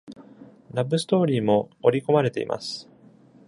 ラブストーリーも織り込まれています。